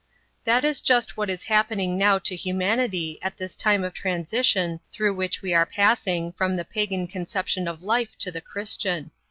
That is just what is happening now to humanity at this time of transition through which we are passing, from the pagan conception of life to the Christian.